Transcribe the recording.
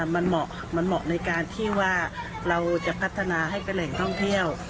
มันเหมาะมันเหมาะในการที่ว่าเราจะพัฒนาให้เป็นแหล่งท่องเที่ยว